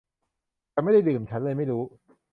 ฉันไม่ได้ดื่ม ฉันเลยไม่รู้